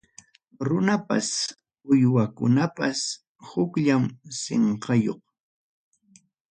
Runapas uywakunapas hukllam sinqayuq.